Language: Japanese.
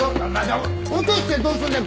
落としてどうすんねん。